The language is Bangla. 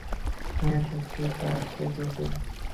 হ্যাঁ, সত্যিই তারচেয়ে জটিল।